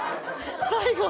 最後。